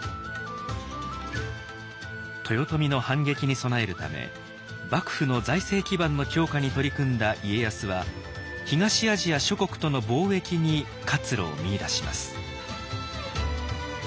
豊臣の反撃に備えるため幕府の財政基盤の強化に取り組んだ家康は東アジア諸国との貿易に活路を見いだします。